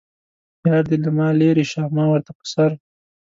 یار دې له ما لرې شه ما ورته په سر.